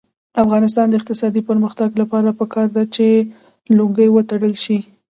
د افغانستان د اقتصادي پرمختګ لپاره پکار ده چې لونګۍ وتړل شي.